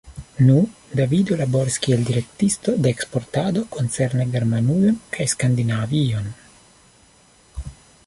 Nu, Davido laboris kiel direktisto de eksportado koncerne Germanujon kaj Skandinavion.